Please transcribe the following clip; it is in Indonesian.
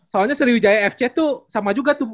soalnya seri ujaya fc tuh sama juga tuh